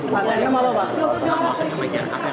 bagian kapal yang penangkan